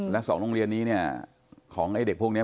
และสองโรงเรียนนี้ของเด็กพวกนี้